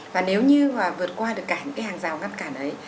và nếu như mà vượt qua được cả những cái hàng rào ngắt cản ấy